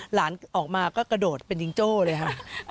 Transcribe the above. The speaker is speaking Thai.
หลานออกมาก็กระโดดเป็นจิงโจ้เลยค่ะ